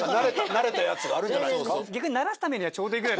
慣れたやつがあるんじゃない？